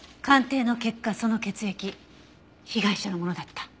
鑑定の結果その血液被害者のものだった。